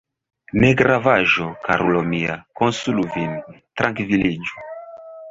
Negravaĵo, karulo mia, konsolu vin, trankviliĝu.